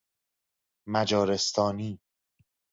مجارستانی